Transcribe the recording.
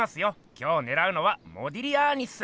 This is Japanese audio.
今日ねらうのは「モディリアーニ」っす。